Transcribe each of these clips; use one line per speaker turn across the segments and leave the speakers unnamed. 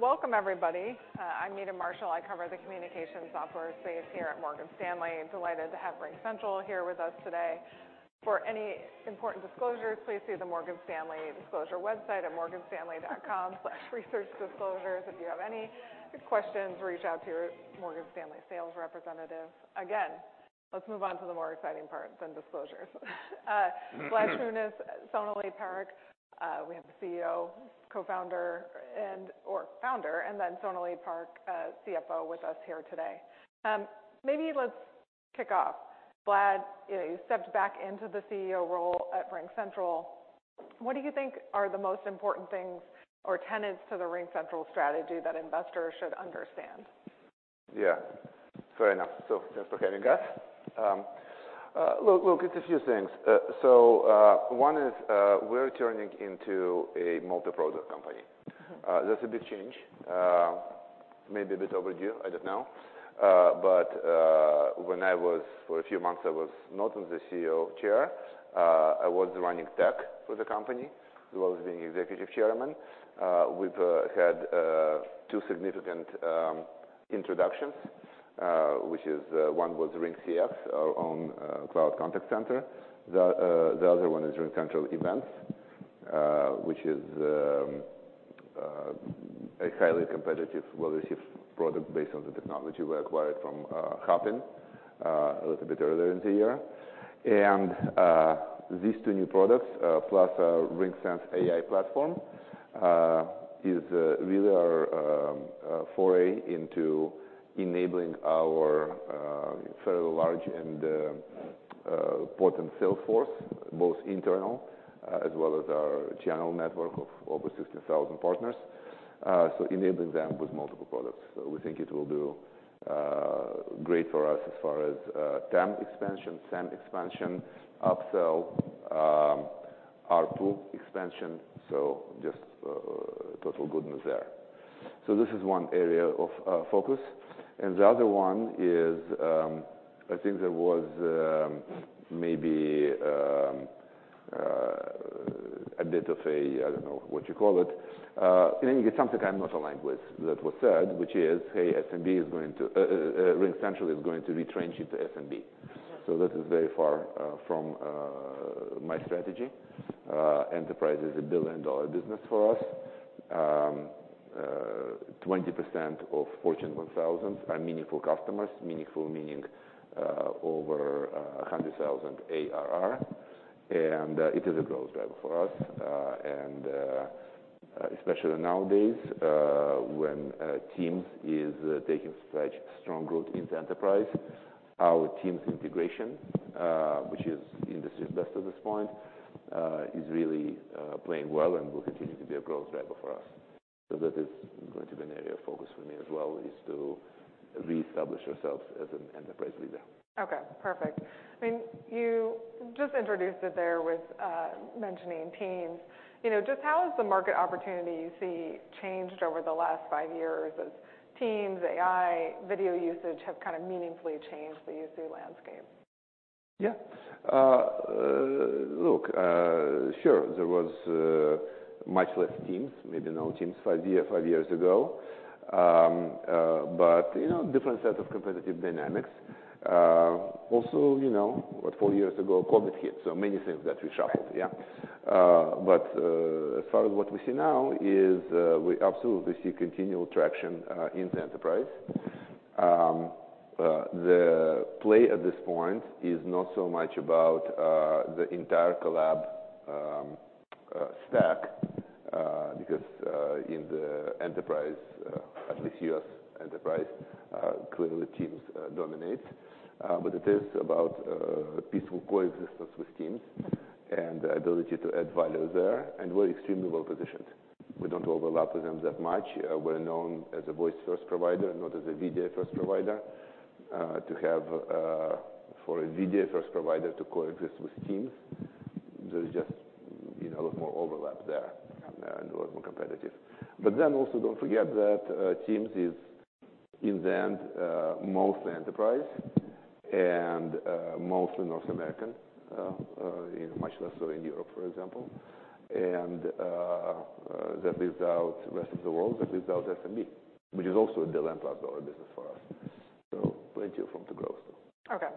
Welcome, everybody. I'm Meta Marshall. I cover the communication software space here at Morgan Stanley. Delighted to have RingCentral here with us today. For any important disclosures, please see the Morgan Stanley disclosure website at morganstanley.com/researchdisclosures. If you have any questions, reach out to your Morgan Stanley sales representative. Again, let's move on to the more exciting part than disclosures. Vlad Shmunis, Sonalee Parekh. We have the CEO, co-founder, and/or founder, and then Sonalee Parekh, CFO, with us here today. Maybe let's kick off. Vlad, you know, you stepped back into the CEO role at RingCentral. What do you think are the most important things or tenets to the RingCentral strategy that investors should understand?
Yeah, fair enough. So thanks for having us. Look, it's a few things. So, one is, we're turning into a multi-product company. That's a big change. Maybe a bit overdue, I don't know. But, when I was—for a few months, I was not in the CEO chair, I was running tech for the company as well as being executive chairman. We've had two significant introductions, which is, one was RingCX, our own cloud contact center. The other one is RingCentral Events, which is, a highly competitive, well-received product based on the technology we acquired from Hopin, a little bit earlier in the year. These two new products, plus our RingSense AI platform, is really our foray into enabling our fairly large and potent sales force, both internal, as well as our general network of over 16,000 partners. So enabling them with multiple products, we think it will do great for us as far as TAM expansion, SAM expansion, upsell, ARPU expansion. So just total goodness there. So this is one area of focus. And the other one is, I think there was maybe a bit of a, I don't know what you call it, something I'm not aligned with that was said, which is, "Hey, SMB is going to RingCentral is going to retrench into SMB." So that is very far from my strategy. Enterprise is a billion-dollar business for us. 20% of Fortune 1,000 are meaningful customers. Meaningful, meaning over $100,000 ARR, and it is a growth driver for us. And especially nowadays, when Teams is taking such strong growth into enterprise. Our Teams integration, which is industry best at this point, is really playing well and will continue to be a growth driver for us. So that is going to be an area of focus for me as well, is to reestablish ourselves as an enterprise leader.
Okay, perfect. I mean, you just introduced it there with mentioning Teams. You know, just how has the market opportunity you see changed over the last five years as Teams, AI, video usage have kind of meaningfully changed the UC landscape?
Yeah. Look, sure, there was much less Teams, maybe no Teams five years ago. But, you know, different set of competitive dynamics. Also, you know, about four years ago, COVID hit, so many things got reshuffled.
Sure.
Yeah. But, as far as what we see now is, we absolutely see continual traction in the enterprise. The play at this point is not so much about the entire collab stack, because in the enterprise, at least U.S. enterprise, clearly Teams dominate. But it is about peaceful coexistence with Teams and the ability to add value there, and we're extremely well positioned. We don't overlap with them that much. We're known as a voice-first provider and not as a video-first provider. To have, for a video-first provider to coexist with Teams, there's just, you know, a lot more overlap there and a lot more competitive. But then also don't forget that Teams is, in the end, mostly enterprise and mostly North American, much less so in Europe, for example. That leaves out the rest of the world, that leaves out SMB, which is also a +$1 billion business for us. Plenty of room to grow.
Okay.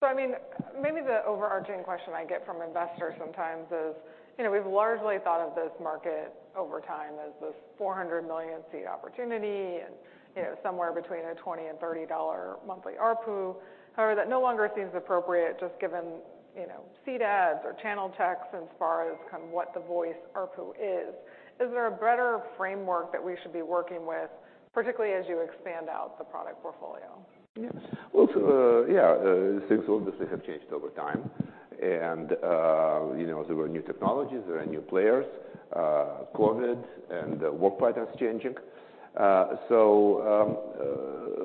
So I mean, maybe the overarching question I get from investors sometimes is, you know, we've largely thought of this market over time as this 400 million seat opportunity and, you know, somewhere between a $20-$30 monthly ARPU. However, that no longer seems appropriate, just given, you know, seat adds or channel checks as far as kind of what the voice ARPU is. Is there a better framework that we should be working with, particularly as you expand out the product portfolio?
Yeah. Well, yeah, things obviously have changed over time. And, you know, there were new technologies, there are new players, COVID, and the work patterns changing. So,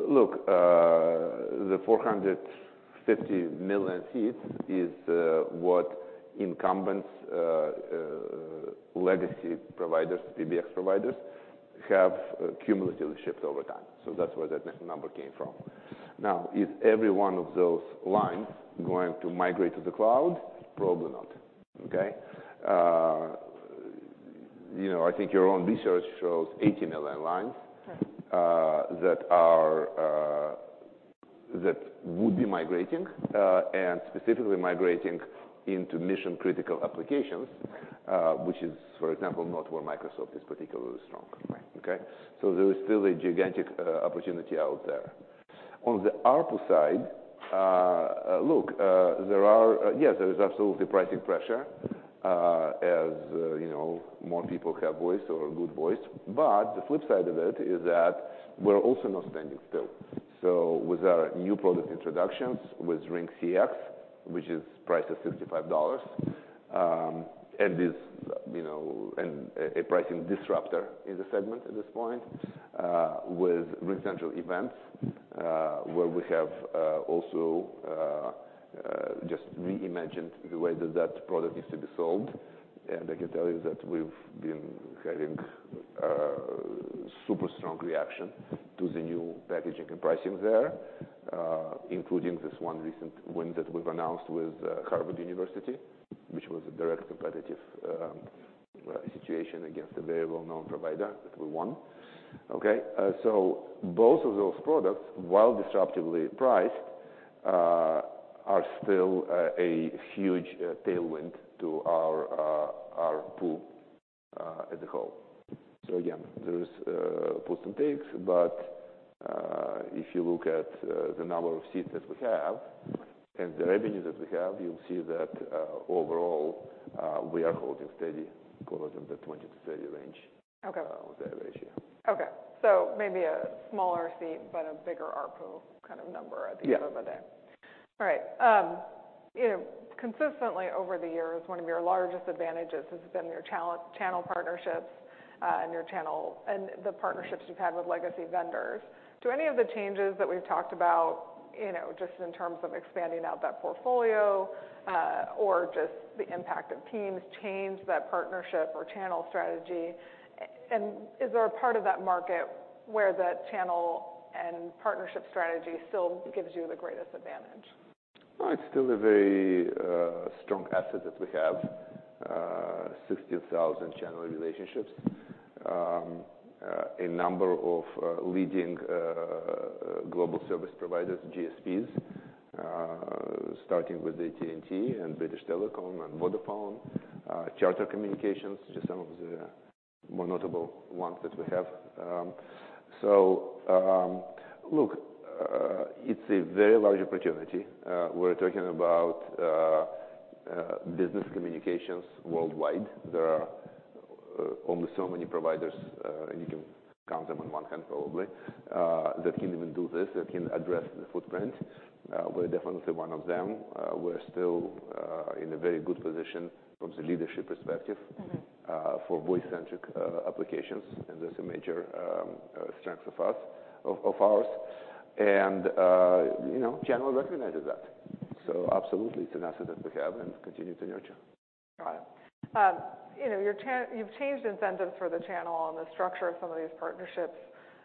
look, the 450 million seats is what incumbents, legacy providers, PBX providers, have cumulatively shipped over time. So that's where that number came from. Now, is every one of those lines going to migrate to the cloud? Probably not. Okay. You know, I think your own research shows 80 million lines that would be migrating, and specifically migrating into mission-critical applications, which is, for example, not where Microsoft is particularly strong.
Right.
Okay? So there is still a gigantic opportunity out there. On the ARPU side, look, there are—yes, there is absolutely pricing pressure, as, you know, more people have voice or good voice. But the flip side of it is that we're also not standing still. So with our new product introductions, with RingCX, which is priced at $55, and is, you know, and a, a pricing disruptor in the segment at this point, with RingCentral Events, where we have, also, just reimagined the way that that product needs to be sold. I can tell you that we've been having super strong reaction to the new packaging and pricing there, including this one recent win that we've announced with Harvard University, which was a direct competitive situation against a very well-known provider that we won. Okay, so both of those products, while disruptively priced, are still a huge tailwind to our pool as a whole. So again, there is puts and takes, but if you look at the number of seats that we have and the revenues that we have, you'll see that overall we are holding steady, closer to the 20-30 range-
Okay.
-uh, ratio.
Okay. So maybe a smaller seat, but a bigger ARPU kind of number at the end of the day?
Yeah.
All right. You know, consistently over the years, one of your largest advantages has been your channel partnerships, and the partnerships you've had with legacy vendors. Do any of the changes that we've talked about, you know, just in terms of expanding out that portfolio, or just the impact of teams, change that partnership or channel strategy? And is there a part of that market where the channel and partnership strategy still gives you the greatest advantage?
Well, it's still a very strong asset that we have, 60,000 channel relationships. A number of leading global service providers, GSPs, starting with AT&T, and British Telecom, and Vodafone, Charter Communications, just some of the more notable ones that we have. So, look, it's a very large opportunity. We're talking about business communications worldwide. There are only so many providers, and you can count them on one hand probably, that can even do this, that can address the footprint. We're definitely one of them. We're still in a very good position from the leadership perspective. For voice-centric applications, and that's a major strength of ours, and you know, channel recognizes that. So absolutely, it's an asset that we have and continue to nurture.
Got it. You know, you've changed incentives for the channel and the structure of some of these partnerships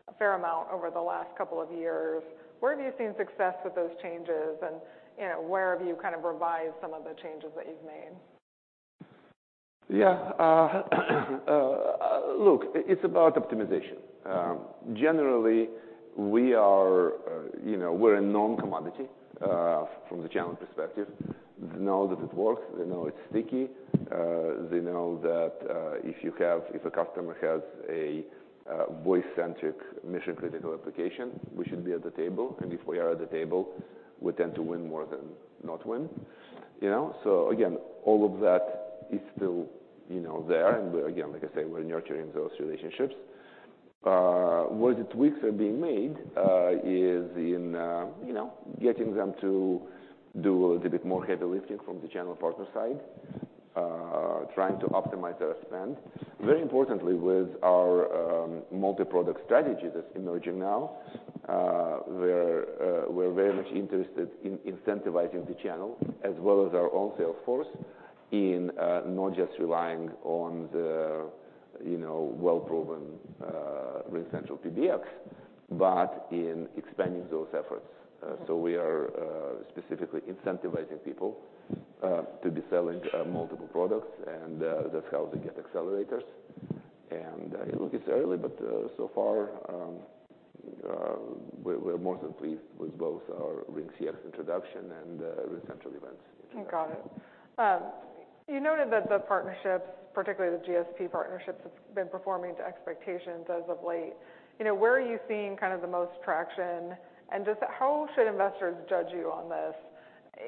a fair amount over the last couple of years. Where have you seen success with those changes? And, you know, where have you kind of revised some of the changes that you've made?
Yeah. Look, it's about optimization. Generally, we are, you know, we're a non-commodity from the channel perspective. They know that it works, they know it's sticky. They know that if a customer has a voice-centric mission-critical application, we should be at the table, and if we are at the table, we tend to win more than not win, you know? So again, all of that is still, you know, there. And again, like I said, we're nurturing those relationships. Where the tweaks are being made is in, you know, getting them to do a little bit more heavy lifting from the channel partner side, trying to optimize our spend. Very importantly, with our multi-product strategy that's emerging now, we're very much interested in incentivizing the channel as well as our own sales force, in not just relying on the, you know, well-proven RingCentral PBX, but in expanding those efforts. So we are specifically incentivizing people to be selling multiple products, and that's how they get accelerators. And look, it's early, but so far, we're more than pleased with both our RingCX introduction and RingCentral Events.
Got it. You noted that the partnerships, particularly the GSP partnerships, have been performing to expectations as of late. You know, where are you seeing kind of the most traction, and just how should investors judge you on this?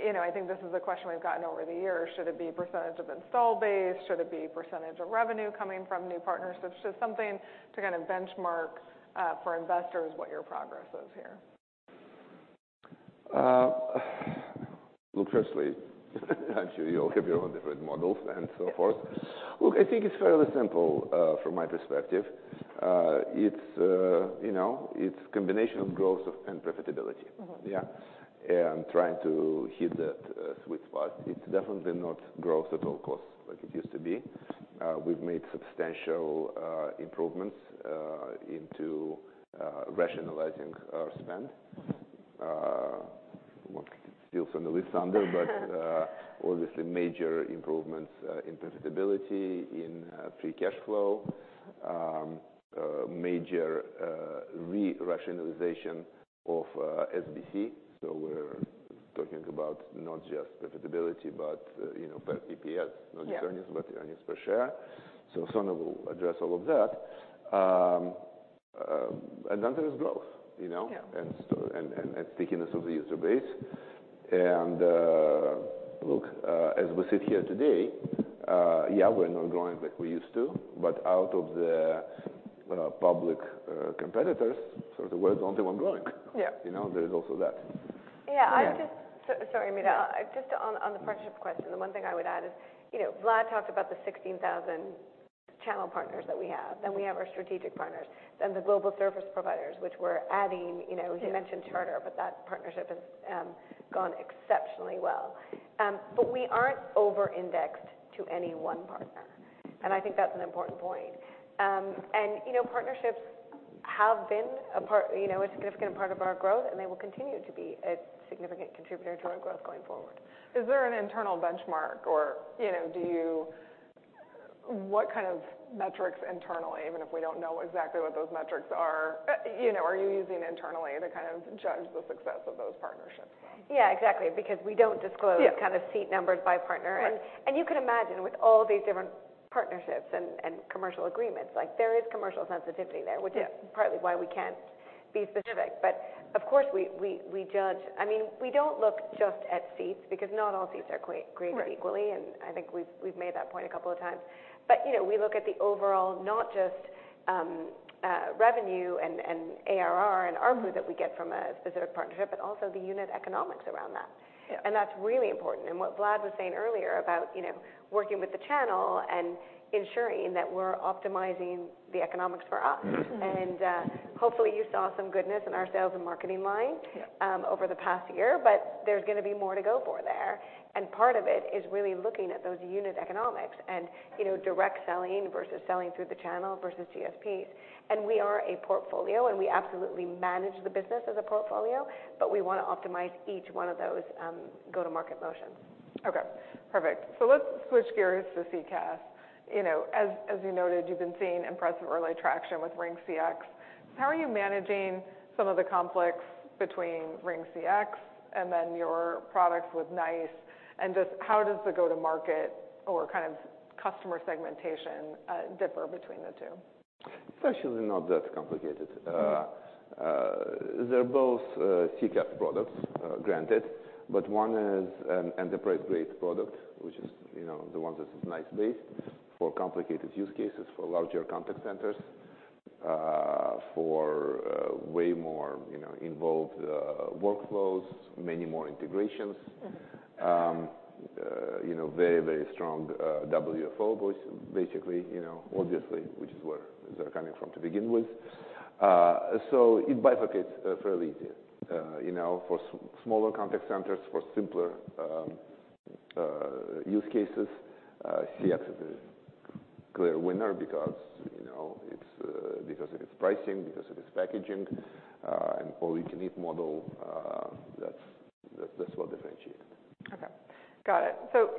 You know, I think this is a question we've gotten over the years. Should it be percentage of install base? Should it be percentage of revenue coming from new partnerships? Just something to kind of benchmark, for investors, what your progress is here.
Look, firstly, I'm sure you all have your own different models and so forth. Look, I think it's fairly simple, from my perspective. It's, you know, it's combination of growth of... and profitability. Yeah, and trying to hit that sweet spot. It's definitely not growth at all costs like it used to be. We've made substantial improvements into rationalizing our spend. Well, it's still Sonalee's thunder, but obviously major improvements in profitability, in free cash flow, major re-rationalization of SBC. So we're talking about not just profitability, but you know, per PPS.
Yeah.
Not just earnings, but earnings per share. So Sonalee will address all of that. And then there is growth, you know?
Yeah.
And so, thickness of the user base. Look, as we sit here today, yeah, we're not growing like we used to, but out of the public competitors, so we're the only one growing.
Yeah.
You know, there is also that.
Yeah.
Yeah.
I'm sorry, Meta. Just on the partnership question, the one thing I would add is, you know, Vlad talked about the 16,000 channel partners that we have. Then we have our strategic partners, then the global service providers, which we're adding, you know-
Yeah...
we mentioned Charter, but that partnership has gone exceptionally well. But we aren't over-indexed to any one partner, and I think that's an important point. And, you know, partnerships have been a part, you know, a significant part of our growth, and they will continue to be a significant contributor to our growth going forward.
Is there an internal benchmark, or, you know, do you, what kind of metrics internally, even if we don't know exactly what those metrics are, you know, are you using internally to kind of judge the success of those partnerships?
Yeah, exactly, because we don't disclose-
Yeah...
kind of seat numbers by partner.
Right.
And you can imagine with all these different partnerships and commercial agreements, like, there is commercial sensitivity there-
Yeah...
which is partly why we can't be specific. But of course, we judge—I mean, we don't look just at seats, because not all seats are cre-
Right...
created equally, and I think we've made that point a couple of times. But, you know, we look at the overall, not just revenue and ARR and ARPU that we get from a specific partnership, but also the unit economics around that.
Yeah.
That's really important. What Vlad was saying earlier about, you know, working with the channel and ensuring that we're optimizing the economics for us.
Mm-hmm.
Hopefully, you saw some goodness in our sales and marketing line-
Yeah...
over the past year, but there's gonna be more to go for there. And part of it is really looking at those unit economics and, you know, direct selling versus selling through the channel versus GSPs. And we are a portfolio, and we absolutely manage the business as a portfolio, but we wanna optimize each one of those go-to-market motions.
Okay, perfect. So let's switch gears to CCaaS. You know, as, as you noted, you've been seeing impressive early traction with RingCX. How are you managing some of the conflicts between RingCX and then your products with NICE? And just how does the go-to-market or kind of customer segmentation differ between the two?
It's actually not that complicated.
Mm-hmm.
They're both CCaaS products, granted, but one is an enterprise-grade product, which is, you know, the one that is NICE-based, for complicated use cases, for larger contact centers, way more, you know, involved workflows, many more integrations.
Mm-hmm.
You know, very, very strong WFO voice, basically, you know, obviously, which is where they're coming from to begin with. So it bifurcates fairly easy. You know, for smaller contact centers, for simpler use cases, CX is a clear winner because, you know, it's because of its pricing, because of its packaging, and all-in-one model, that's what differentiates it.
Okay, got it. So,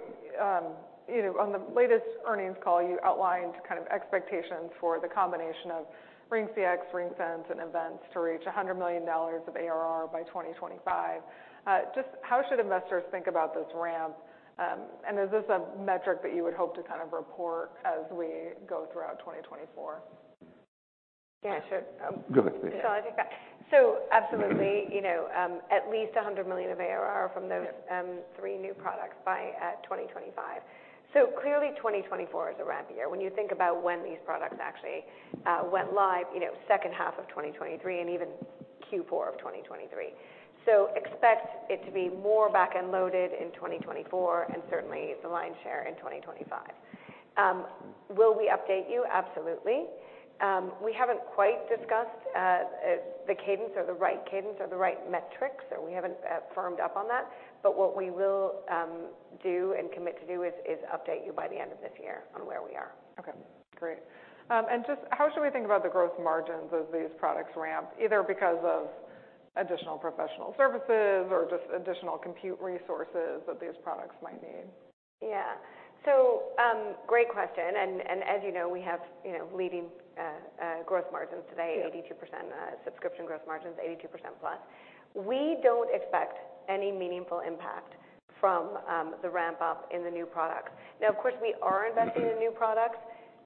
you know, on the latest earnings call, you outlined kind of expectations for the combination of RingCX, RingSense, and Events to reach $100 million of ARR by 2025. Just how should investors think about this ramp? And is this a metric that you would hope to kind of report as we go throughout 2024?
Yeah, sure.
Go ahead, please.
Shall I take that? So absolutely.
Mm-hmm.
You know, at least $100 million of ARR from those-
Yeah...
three new products by 2025. So clearly, 2024 is a ramp year. When you think about when these products actually went live, you know, second half of 2023 and even Q4 of 2023. So expect it to be more back-end loaded in 2024, and certainly it's a lion's share in 2025. Will we update you? Absolutely. We haven't quite discussed the cadence or the right cadence or the right metrics, so we haven't firmed up on that. But what we will do and commit to do is update you by the end of this year on where we are.
Okay, great. Just how should we think about the gross marginsof these products ramp, either because of additional professional services or just additional compute resources that these products might need?
Yeah. So, great question, and as you know, we have, you know, leading gross margins today-
Yeah...
82% subscription gross margins, 82% plus. We don't expect any meaningful impact from the ramp-up in the new products. Now, of course, we are investing in new products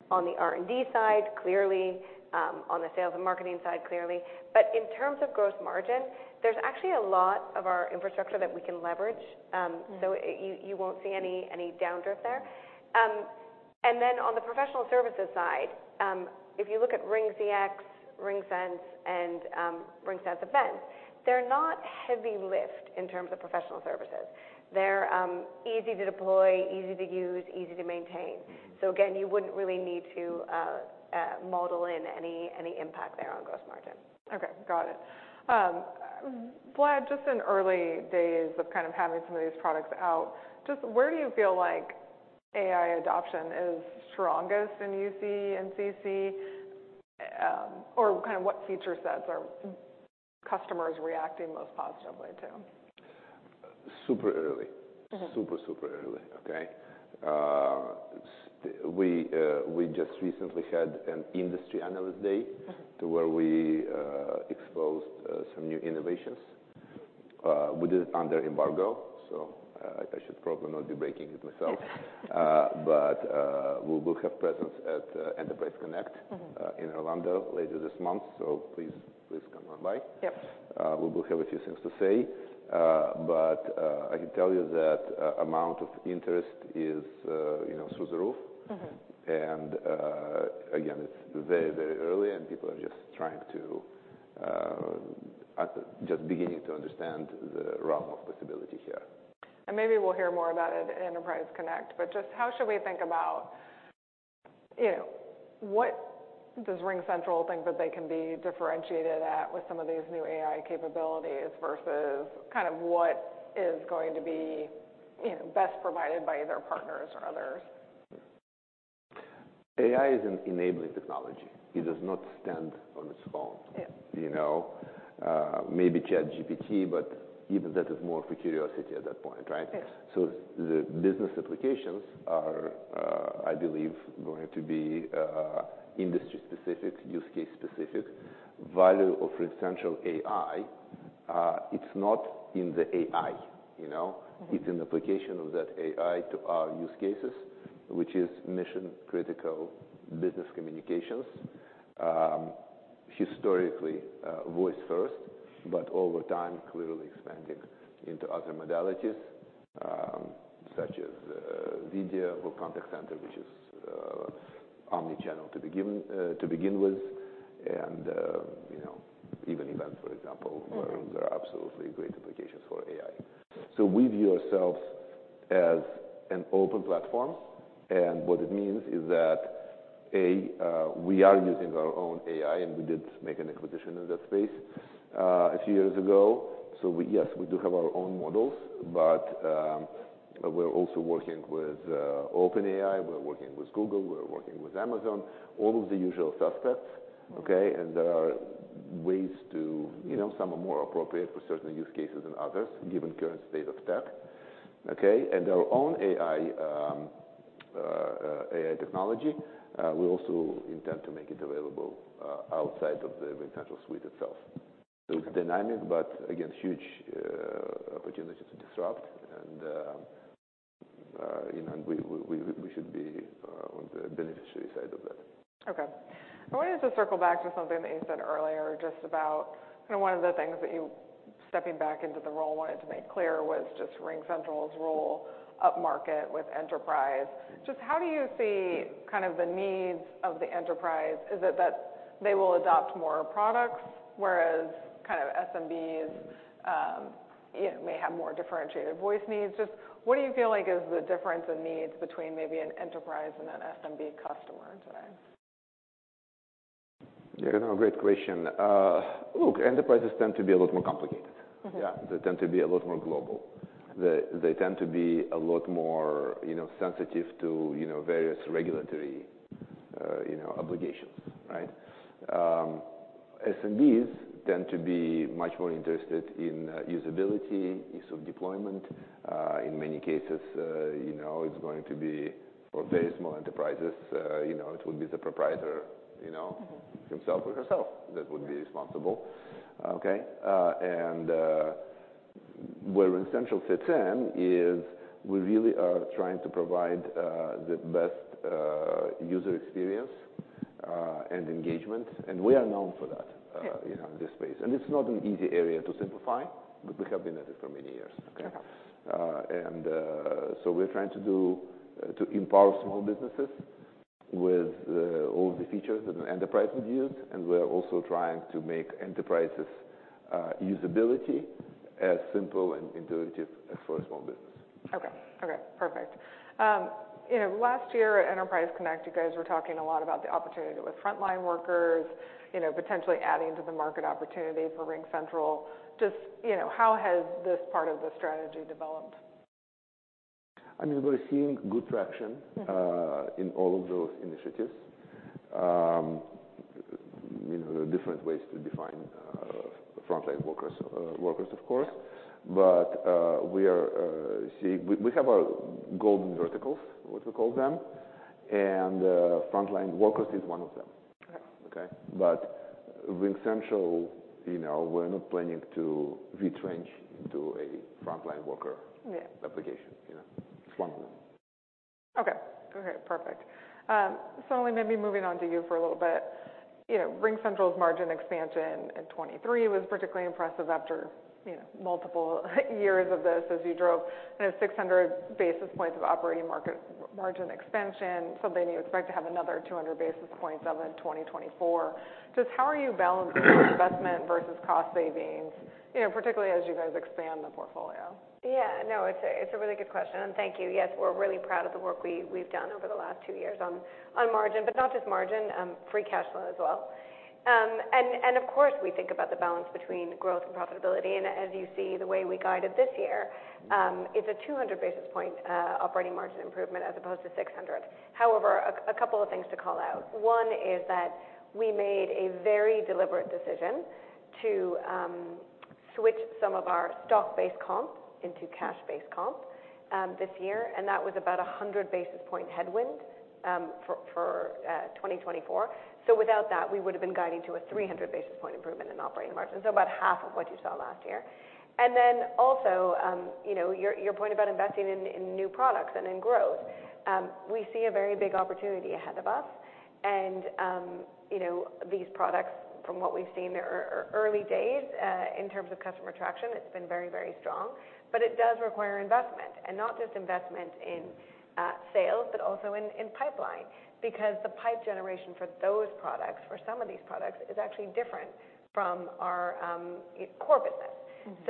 on the R&D side, clearly, on the sales and marketing side, clearly. But in terms of gross margin, there's actually a lot of our infrastructure that we can leverage. You won't see any downdraft there. Then on the professional services side, if you look at RingCX, RingSense, and RingSense Events, they're not heavy lift in terms of professional services. They're easy to deploy, easy to use, easy to maintain.
Mm-hmm.
So again, you wouldn't really need to model in any impact there on gross margin.
Okay, got it. Vlad, just in early days of kind of having some of these products out, just where do you feel like AI adoption is strongest in UC and CC? Or kind of what feature sets are customers reacting most positively to?
Super early.
Mm-hmm.
Super, super early, okay? We just recently had an industry analyst day-
Mm-hmm.
-to where we exposed some new innovations. We did it under embargo, so I should probably not be breaking it myself. But we will have presence at Enterprise Connect-
Mm-hmm.
in Orlando later this month, so please, please come on by.
Yep.
We will have a few things to say. But, I can tell you that amount of interest is, you know, through the roof.
Mm-hmm.
And, again, it's very, very early, and people are just trying to just beginning to understand the realm of possibility here.
And maybe we'll hear more about it at Enterprise Connect. But just how should we think about, you know, what does RingCentral think that they can be differentiated at with some of these new AI capabilities, versus kind of what is going to be, you know, best provided by either partners or others?
AI is an enabling technology. It does not stand on its own.
Yeah.
You know, maybe ChatGPT, but even that is more for curiosity at that point, right?
Yeah.
So the business applications are, I believe, going to be, industry specific, use case specific. Value of RingCentral AI, it's not in the AI, you know?
Mm-hmm.
It's an application of that AI to our use cases, which is mission-critical business communications. Historically, voice first, but over time, clearly expanding into other modalities, such as video or contact center, which is omni channel to begin with. You know, even events, for example-
Mm-hmm.
where there are absolutely great applications for AI. So we view ourselves as an open platform, and what it means is that, A, we are using our own AI, and we did make an acquisition in that space, a few years ago. So we, yes, we do have our own models, but, we're also working with, OpenAI, we're working with Google, we're working with Amazon, all of the usual suspects, okay? And there are ways to... You know, some are more appropriate for certain use cases than others, given current state of tech, okay? And our own AI, AI technology, we also intend to make it available, outside of the RingCentral suite itself. So it's dynamic, but again, huge, opportunity to disrupt, and, you know, and we, we, we, we should be, on the beneficiary side of that.
Okay. I wanted to circle back to something that you said earlier, just about kind of one of the things that you, stepping back into the role, wanted to make clear was just RingCentral's role upmarket with enterprise. Just how do you see kind of the needs of the enterprise? Is it that they will adopt more products, whereas kind of SMBs, you know, may have more differentiated voice needs? Just what do you feel like is the difference in needs between maybe an enterprise and an SMB customer today?
Yeah, no, great question. Look, enterprises tend to be a lot more complicated. Yeah, they tend to be a lot more global. They tend to be a lot more, you know, sensitive to, you know, various regulatory, you know, obligations, right? SMBs tend to be much more interested in usability, ease of deployment. In many cases, you know, it's going to be, for very small enterprises, you know, it will be the proprietor, you know himself or herself that would be responsible. Okay. And where RingCentral fits in is we really are trying to provide the best user experience and engagement, and we are known for that-
Yeah
In this space. It's not an easy area to simplify, but we have been at it for many years.
Sure.
So we're trying to empower small businesses with all of the features that an enterprise would use, and we are also trying to make enterprises' usability as simple and intuitive as for a small business.
Okay. Okay, perfect. You know, last year at Enterprise Connect, you guys were talking a lot about the opportunity with frontline workers, you know, potentially adding to the market opportunity for RingCentral. Just, you know, how has this part of the strategy developed?
I mean, we're seeing good traction- In all of those initiatives. You know, there are different ways to define frontline workers, workers, of course.
Yeah.
But we are seeing we have our golden verticals, what we call them, and frontline workers is one of them.
Yeah.
Okay? But RingCentral, you know, we're not planning to retrench into a frontline worker.
Yeah
Application, you know. It's one of them.
Okay. Okay, perfect. So maybe moving on to you for a little bit. You know, RingCentral's margin expansion in 2023 was particularly impressive after, you know, multiple years of this, as you drove, you know, 600 basis points of operating margin expansion. So then you expect to have another 200 basis points of it in 2024. Just how are you balancing investment versus cost savings, you know, particularly as you guys expand the portfolio?
Yeah. No, it's a really good question, and thank you. Yes, we're really proud of the work we've done over the last two years on margin, but not just margin, free cash flow as well. And of course, we think about the balance between growth and profitability, and as you see, the way we guided this year is a 200 basis point operating margin improvement as opposed to 600. However, a couple of things to call out. One is that we made a very deliberate decision to switch some of our stock-based comp into cash-based comp this year, and that was about a 100 basis point headwind for 2024. So without that, we would have been guiding to a 300 basis point improvement in operating margin, so about half of what you saw last year. And then also, you know, your point about investing in new products and in growth, we see a very big opportunity ahead of us. And, you know, these products, from what we've seen, are early days in terms of customer traction, it's been very, very strong, but it does require investment. And not just investment in sales, but also in pipeline, because the pipe generation for those products, for some of these products, is actually different from our core business.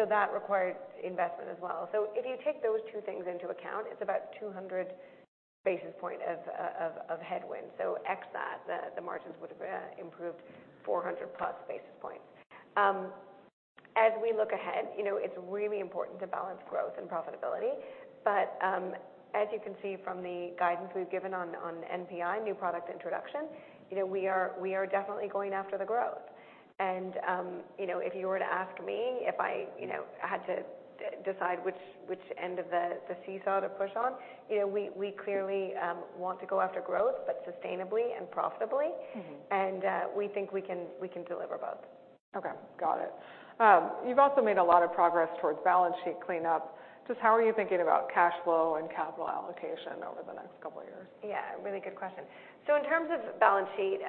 That requires investment as well. If you take those two things into account, it's about 200 basis points of headwind. Ex that, the margins would have improved +400 basis points. As we look ahead, you know, it's really important to balance growth and profitability, but as you can see from the guidance we've given on NPI, new product introduction, you know, we are definitely going after the growth. And you know, if you were to ask me, if I had to decide which end of the seesaw to push on, you know, we clearly want to go after growth, but sustainably and profitably.
Mm-hmm.
We think we can, we can deliver both.
Okay, got it. You've also made a lot of progress towards balance sheet cleanup. Just how are you thinking about cash flow and capital allocation over the next couple of years?
Yeah, really good question. So in terms of balance sheet,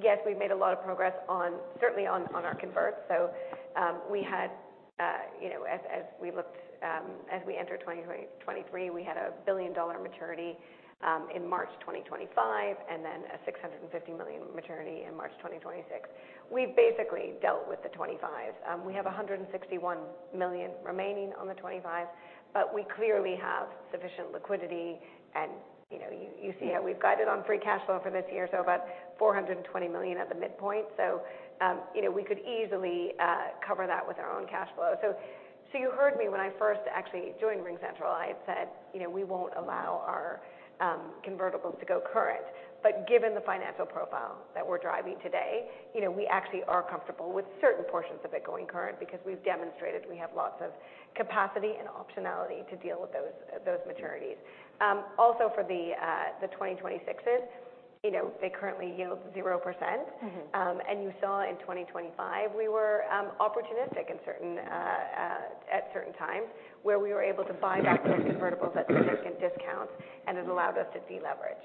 yes, we've made a lot of progress on certainly on our converts. So, we had, you know, as we entered 2023, we had a $1 billion maturity in March 2025, and then a $650 million maturity in March 2026. We've basically dealt with the twenty-five. We have $161 million remaining on the twenty-five, but we clearly have sufficient liquidity. And, you know, you see how we've guided on free cash flow for this year, so about $420 million at the midpoint. So, you know, we could easily cover that with our own cash flow. So, so you heard me when I first actually joined RingCentral, I had said, "You know, we won't allow our convertibles to go current." But given the financial profile that we're driving today, you know, we actually are comfortable with certain portions of it going current, because we've demonstrated we have lots of capacity and optionality to deal with those, those maturities. Also for the 2026s, you know, they currently yield 0%. And you saw in 2025, we were opportunistic in certain at certain times, where we were able to buy back those convertibles at significant discounts, and it allowed us to deleverage.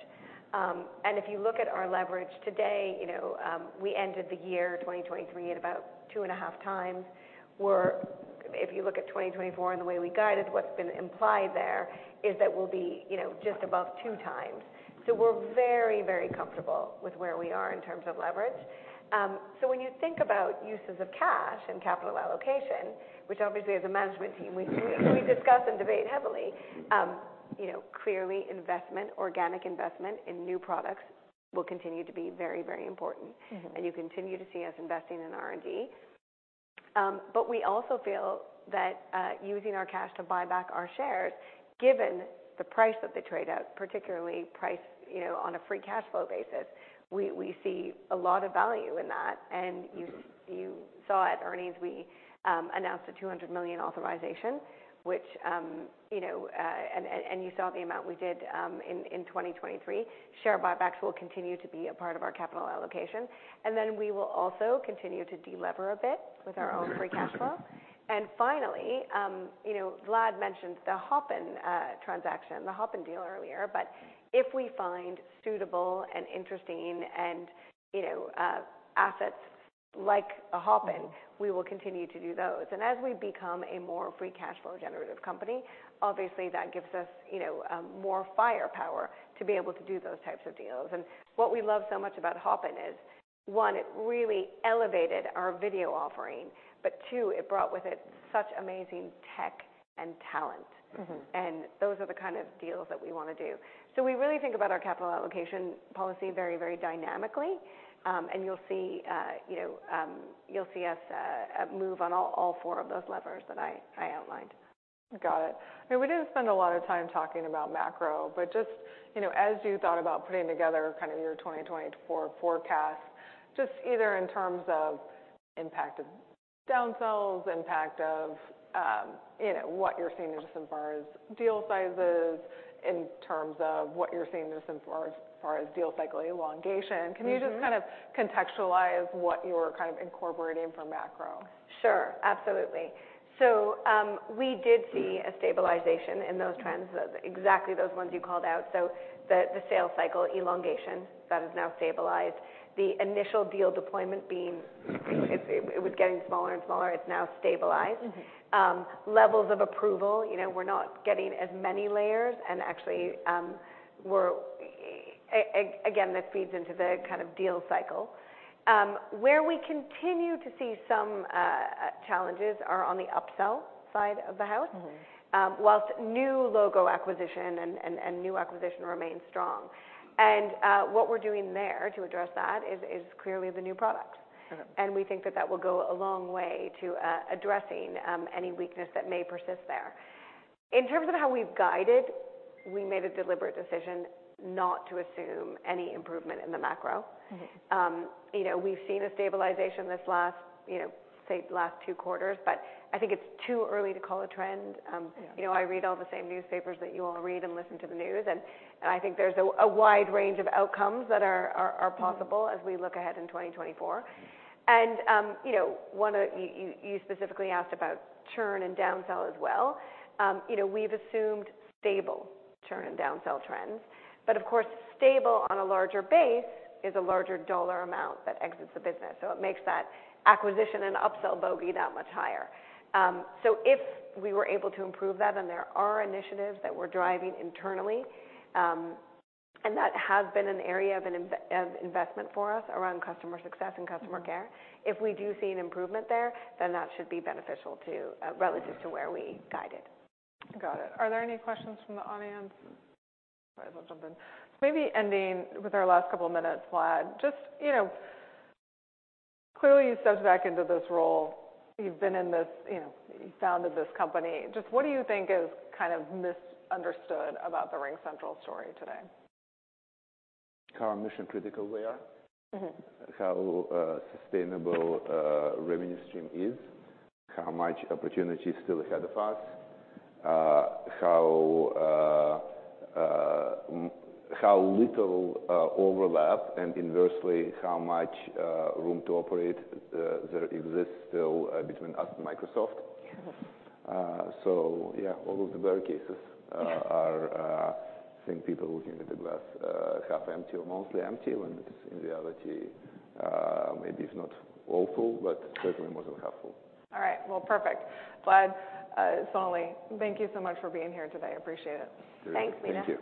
And if you look at our leverage today, you know, we ended the year 2023 at about 2.5x, where if you look at 2024 and the way we guided, what's been implied there is that we'll be, you know, just above 2x. So we're very, very comfortable with where we are in terms of leverage. So when you think about uses of cash and capital allocation, which obviously as a management team, we discuss and debate heavily, you know, clearly investment, organic investment in new products will continue to be very, very important. And you continue to see us investing in R&D. But we also feel that, using our cash to buy back our shares, given the price of the trade-out, particularly price, you know, on a free cash flow basis, we see a lot of value in that. And you saw at earnings, we announced a $200 million authorization, which, you know, and you saw the amount we did in 2023. Share buybacks will continue to be a part of our capital allocation, and then we will also continue to delever a bit with our own free cash flow. And finally, you know, Vlad mentioned the Hopin transaction, the Hopin deal earlier, but if we find suitable and interesting and, you know, assets like a Hopin, we will continue to do those. And as we become a more free cash flow generative company, obviously that gives us, you know, more firepower to be able to do those types of deals. What we love so much about Hopin is, one, it really elevated our video offering, but two, it brought with it such amazing tech and talent. And those are the kind of deals that we wanna do. So we really think about our capital allocation policy very, very dynamically. And you'll see, you know, you'll see us move on all four of those levers that I outlined.
Got it. I mean, we didn't spend a lot of time talking about macro, but just, you know, as you thought about putting together kind of your 2024 forecast, just either in terms of impact of down sales, impact of, you know, what you're seeing just as far as deal sizes, in terms of what you're seeing just as far as, far as deal cycle elongation-
Mm-hmm.
Can you just kind of contextualize what you're kind of incorporating from macro?
Sure, absolutely. So, we did see a stabilization in those trends, exactly those ones you called out. So the sales cycle elongation, that is now stabilized. The initial deal deployment being, it was getting smaller and smaller, it's now stabilized.
Mm-hmm.
Levels of approval, you know, we're not getting as many layers. And actually, again, this feeds into the kind of deal cycle. Where we continue to see some challenges are on the upsell side of the house. While new logo acquisition and new acquisition remains strong. What we're doing there to address that is clearly the new product. We think that that will go a long way to addressing any weakness that may persist there. In terms of how we've guided, we made a deliberate decision not to assume any improvement in the macro. You know, we've seen a stabilization this last, you know, say, last two quarters, but I think it's too early to call a trend. You know, I read all the same newspapers that you all read and listen to the news, and I think there's a wide range of outcomes that are possible as we look ahead in 2024. You know, one of... You specifically asked about churn and downsell as well. You know, we've assumed stable churn and downsell trends, but of course, stable on a larger base is a larger dollar amount that exits the business, so it makes that acquisition and upsell bogey that much higher. So if we were able to improve that, and there are initiatives that we're driving internally, and that has been an area of investment for us around customer success and customer care. If we do see an improvement there, then that should be beneficial, too, relative to where we guided.
Got it. Are there any questions from the audience? Might as well jump in. Maybe ending with our last couple of minutes, Vlad, just, you know, clearly, you stepped back into this role. You've been in this, you know, you founded this company. Just what do you think is kind of misunderstood about the RingCentral story today?
How mission-critical we are.
Mm-hmm.
How sustainable revenue stream is, how much opportunity is still ahead of us, how little overlap, and inversely, how much room to operate there exists still between us and Microsoft?
Yes.
So yeah, all of the bear cases are, I think people looking at the glass half empty or mostly empty, when it is in reality maybe it's not all full, but certainly more than half full.
All right. Well, perfect. Vlad Shmunis, thank you so much for being here today. I appreciate it.
Thanks, Meta.
Thank you.